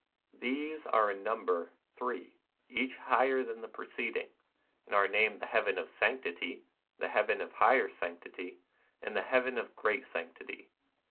These are in number three, — each higher than the preceding, — and are named The Heaven of Sanctity, The Heaven of Higher Sanctity, and The Heaven of Great Sanctity.